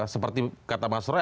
seperti kata mas roy